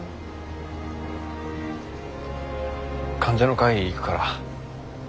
患者の会行くから。